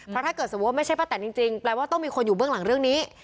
เพราะถ้าเกิดสมมุติว่าไม่ใช่ป้าแตนจริงแปลว่าต้องมีคนอยู่เบื้องหลังเรื่องนี้